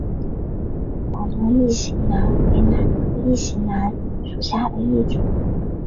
广东异型兰为兰科异型兰属下的一个种。